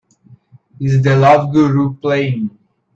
Is The Love Guru playing